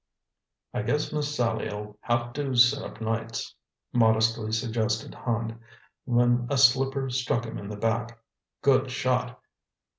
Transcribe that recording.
"I guess Miss Sallie'll have to sit up nights," modestly suggested Hand, when a slipper struck him in the back. "Good shot!